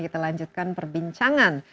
kita lanjutkan perbincangan